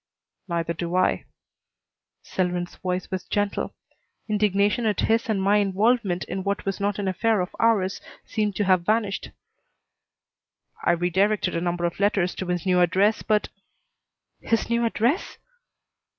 "Neither do I." Selwyn's voice was gentle. Indignation at his and my involvement in what was not an affair of ours seemed to have vanished. "I redirected a number of letters to his new address, but " "His new address?"